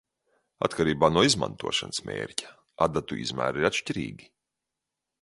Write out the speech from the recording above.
Atkarībā no izmantošanas mērķa, adatu izmēri ir atšķirīgi.